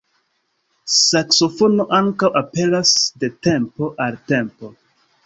Saksofono ankaŭ aperas de tempo al tempo.